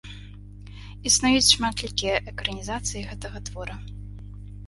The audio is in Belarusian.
Існуюць шматлікія экранізацыі гэтага твора.